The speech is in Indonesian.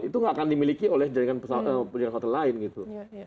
itu nggak akan dimiliki oleh jaringan hotel lain gitu